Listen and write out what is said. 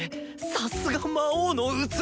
さすが魔王の器！